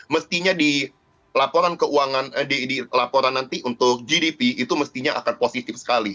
mestinya di laporan nanti untuk gdp itu mestinya akan positif sekali